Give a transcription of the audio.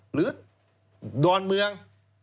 หรือดอนเมือง